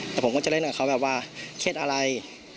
แต่ผมก็จะเล่นกับเขาแบบว่าเครียดอะไร